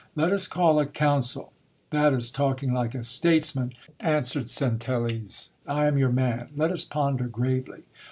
Let us call a councils "That is talking like a statesman,^ answered Centelles : I am your man : let us ponder gravely!'